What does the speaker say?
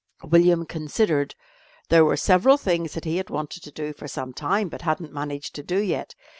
William considered. There were several things that he had wanted to do for some time, but hadn't managed to do yet.